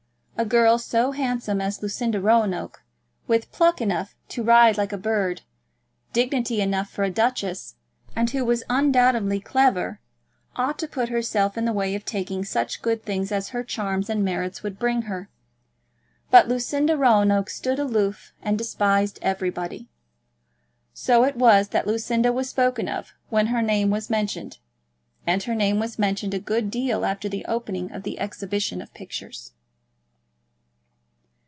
A girl so handsome as Lucinda Roanoke, with pluck enough to ride like a bird, dignity enough for a duchess, and who was undoubtedly clever, ought to put herself in the way of taking such good things as her charms and merits would bring her; but Lucinda Roanoke stood aloof and despised everybody. So it was that Lucinda was spoken of when her name was mentioned; and her name was mentioned a good deal after the opening of the exhibition of pictures.